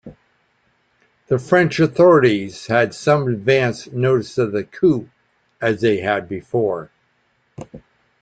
The French authorities had some advance notice of the coup, as they had before.